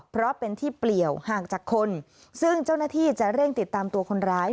เพราะเป็นที่เปลี่ยวห่างจากคนซึ่งเจ้าหน้าที่จะเร่งติดตามตัวคนร้าย